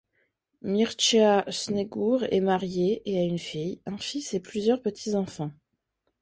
Mircea Snegur est marié et a une fille, un fils et plusieurs petits-enfants.